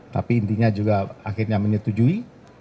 tapi intinya juga akhirnya menyetujui